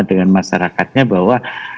dengan masyarakatnya bahwa